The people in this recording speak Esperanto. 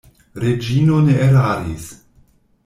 Reĝino ne eraris.